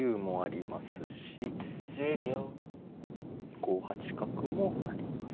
５八角もあります。